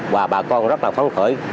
và bà con rất là phấn khởi